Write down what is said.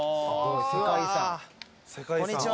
こんにちは。